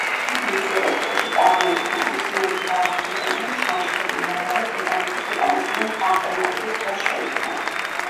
იგი უძველეს დროში წარმოიქმნა, მეცნიერები ვარაუდობენ რომ ჩანჩქერი ნიაგარა დედამიწის უკანასკნელ გამყინვარების დროს შეიქმნა.